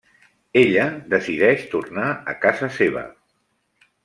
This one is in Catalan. Ella decideix tornar a casa seva.